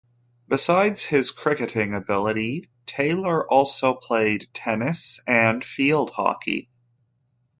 Besides his cricketing ability, Taylor also played tennis and field hockey.